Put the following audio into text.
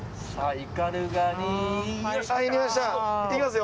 いきますよ！